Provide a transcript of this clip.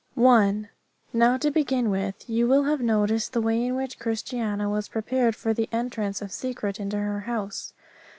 1. Now, to begin with, you will have noticed the way in which Christiana was prepared for the entrance of Secret into her house.